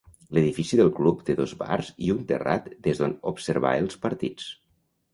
L'edifici del club té dos bars i un terrat des d'on observar els partits.